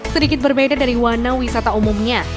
sedikit berbeda dari warna wisata umumnya